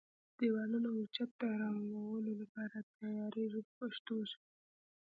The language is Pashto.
دېوالونه او چت د رنګولو لپاره تیاریږي په پښتو ژبه.